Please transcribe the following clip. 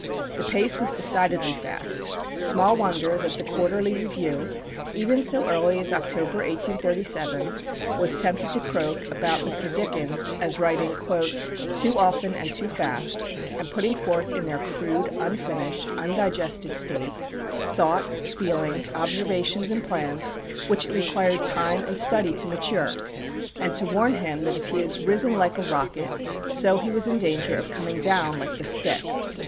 The pace was decidedly fast. Small wonder that The Quarterly Review, even so early as October, 1837, was tempted to croak about "Mr. Dickens" as writing "too often and too fast, and putting forth in their crude, unfinished, undigested state, thoughts, feelings, observations, and plans which it required time and study to mature," and to warn him that as he had "risen like a rocket," so he was in danger of "coming down like the stick."